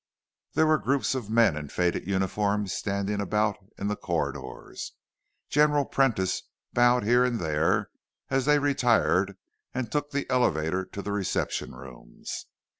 There were groups of men in faded uniforms standing about in the corridors. General Prentice bowed here and there as they retired and took the elevator to the reception rooms.